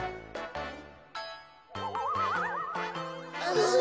うん？